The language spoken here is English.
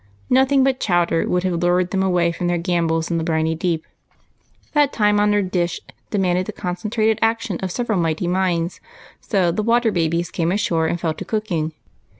Nothing but chowder would have lured them from their gambols in the briny deep ; that time honored dish demanded the concentrated action of several mighty minds ; so the " AVater Babies " came ashore and fell to cooking.